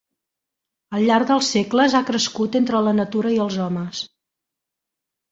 Al llarg dels segles ha crescut entre la natura i els homes.